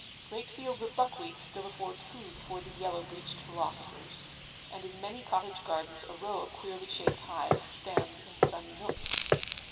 Great fields of buck wheat still afford food for the 'yellow breeched philosophers,' and in many cottage gardens a row of queerly shaped hives stand in sunny nooks.